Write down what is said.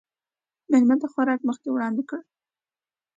مېلمه ته خوراک مخکې وړاندې کړه.